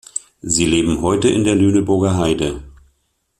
Sie leben heute in der Lüneburger Heide.